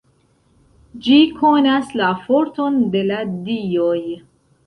Ĝi konas la forton de la Dioj.